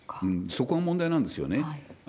そこが問題なんですよね。